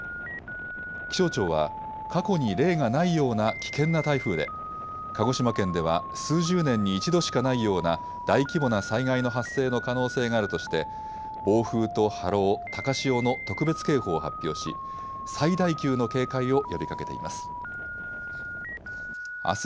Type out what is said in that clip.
気象庁は過去に例がないような危険な台風で鹿児島県では数十年に一度しかないような大規模な災害の発生の可能性があるとして暴風と波浪、高潮の特別警報を発表し最大級の警戒を呼びかけています。